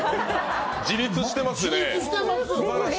自立してます！